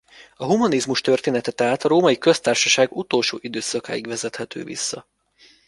A humanizmus története tehát a Római Köztársaság utolsó időszakáig vezethető vissza.